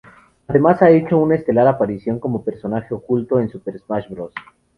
Además, ha hecho una estelar aparición como personaje oculto en "Super Smash Bros.